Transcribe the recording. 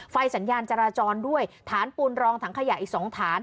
สัญญาณจราจรด้วยฐานปูนรองถังขยะอีก๒ฐาน